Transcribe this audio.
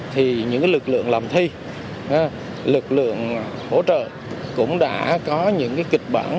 thì những lực lượng làm thi lực lượng hỗ trợ cũng đã có những kịch bản